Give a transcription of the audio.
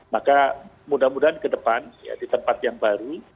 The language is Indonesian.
maka mudah mudahan kedepan di tempat yang baru